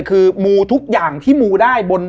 ใกล้เขียงตัวมันที่มูลได้